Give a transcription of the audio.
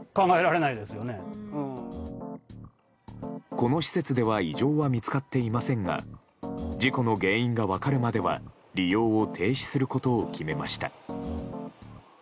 この施設では異常は見つかっていませんが事故の原因が分かるまでは利用を停止することを決めました。